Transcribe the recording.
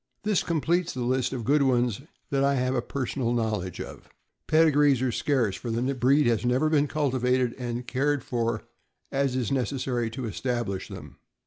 This completes the list of good ones that I have a personal knowledge of. Pedigrees are scarce, for the breed has never been cultivated and cared for as is necessary to establish them.